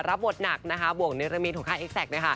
รับบทหนักนะครับบวกเนรมีทหัวค่าเอกซัก